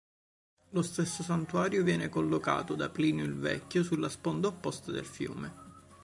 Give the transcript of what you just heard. Lo stesso santuario viene collocato da Plinio il Vecchio sulla sponda opposta del fiume.